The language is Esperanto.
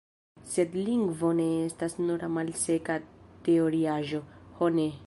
Sed lingvo ne estas nura malseka teoriaĵo, ho ne!